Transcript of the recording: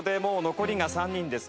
残りは３人です。